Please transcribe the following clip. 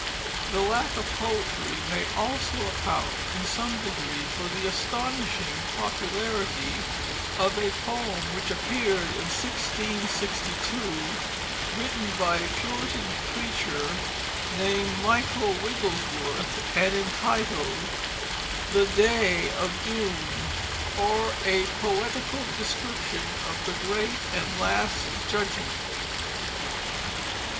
The lack of poetry may also account in some degree for the astonishing popularity of a poem which appeared in 1662, written by a Puritan preacher named Michael Wigglesworth, and entitled, The Day of Doom; or a Poetical description of the Great and Last Judgement.